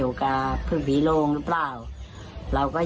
ว่าเขาจะไปแล้วได้หรอ